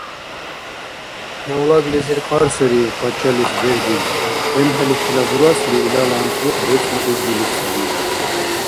Гавлаглизиб кьар сари, къачалис дердибти. ЭмхӀеличила бурасли, илала анцӀбукь бецӀли ибгили саби.